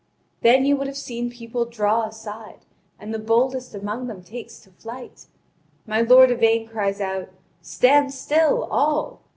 Then you would have seen people draw aside, and the boldest among them takes to flight. My lord Yvain cries out: "Stand still, all!